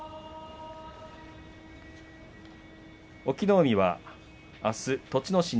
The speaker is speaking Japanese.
隠岐の海はあす、栃ノ